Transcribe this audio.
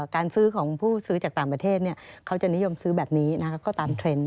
การซื้อของผู้ซื้อจากต่างประเทศเขาจะนิยมซื้อแบบนี้ก็ตามเทรนด์